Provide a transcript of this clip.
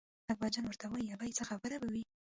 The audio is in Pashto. اکبرجان ورته وایي ابۍ څه خبره به وي.